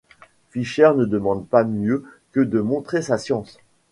Fischer ne demande pas mieux que de montrer sa science.